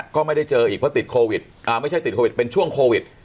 ก็ไม่ได้เจออีกเพราะติดโควิดไม่ใช่ติดโควิดเป็นช่วงโควิด